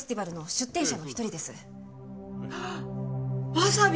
わさび！